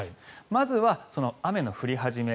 まずはその雨の降り始め